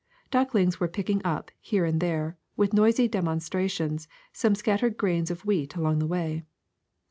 Ducklings were picking up, here and there, with noisy demonstrations, some scattered grains of wheat along the way.